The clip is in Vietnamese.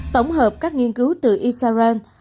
tổng hợp các nghiên cứu từ israel